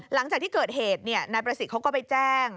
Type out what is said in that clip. หลังจากที่เกิดเหตุนายประสิทธิ์เขาก็ไปแจ้ง